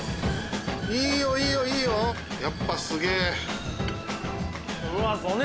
いいよいいよいいよやっぱすげぇ。